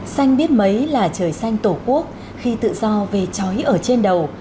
xanh biết mấy là trời xanh tổ quốc khi tự do về trói ở trên đầu